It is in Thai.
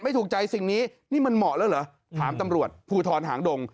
ถูกใจสิ่งนี้นี่มันเหมาะแล้วเหรอถามตำรวจภูทรหางดง